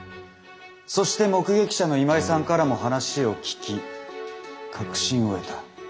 そして目撃者の今井さんからも話を聞き確信を得た。